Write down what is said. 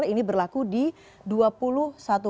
ini berlaku di bbm